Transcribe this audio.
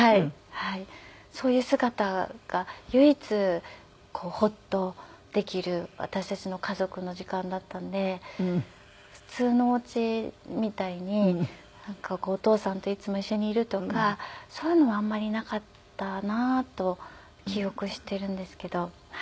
そういう姿が唯一ホッとできる私たちの家族の時間だったんで普通のお家みたいにお父さんといつも一緒にいるとかそういうのはあんまりなかったなと記憶しているんですけど。